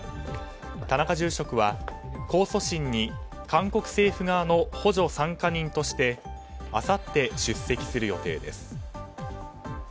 田中住職は、控訴審に韓国政府側の補助参加人としてあさって出席する予定です。